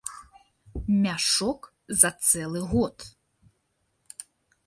Мяшок за цэлы год.